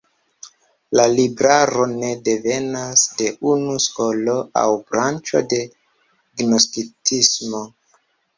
La libraro ne devenas de unu skolo aŭ branĉo de gnostikismo.